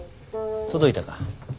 届いたか。